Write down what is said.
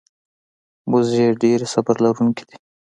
وزې ډېرې صبر لرونکې دي